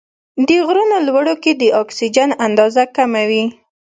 د غرونو لوړو کې د اکسیجن اندازه کمه وي.